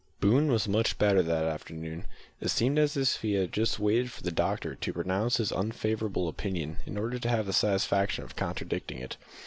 Boone was much better that afternoon. It seemed as if he had just waited for the doctor to pronounce his unfavourable opinion in order to have the satisfaction of contradicting it.